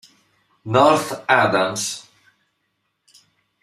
North Adams